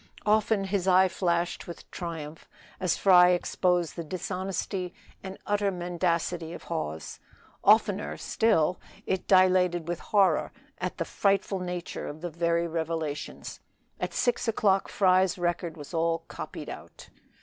Often his eye flashed with triumph, as Fry exposed the dishonesty and utter mendacity of Hawes. Oftener still it dilated with horror at the frightful nature of the very revelations. At six o'clock Fry's record was all copied out.